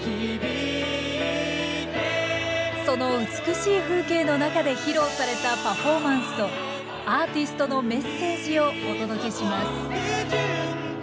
その美しい風景の中で披露されたパフォーマンスとアーティストのメッセージをお届けします